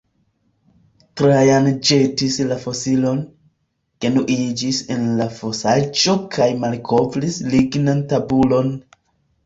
Trajan ĵetis la fosilon, genuiĝis en la fosaĵo kaj malkovris lignan tabulon.